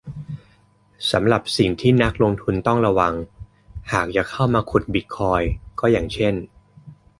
สำหรับสิ่งที่นักลงทุนต้องระวังหากจะเข้ามาขุดบิตคอยน์ก็อย่างเช่น